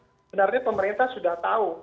karena sebenarnya pemerintah sudah tahu